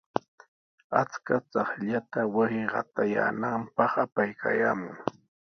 Achka chaqllata wasi qatayaananpaq apaykaayaamun.